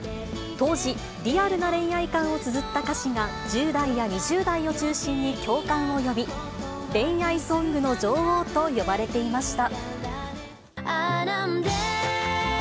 当時、リアルな恋愛観をつづった歌詞が１０代や２０代を中心に共感を呼び、恋愛ソングの女王と呼ばれていました。